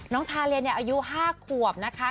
ทาเลียอายุ๕ขวบนะคะ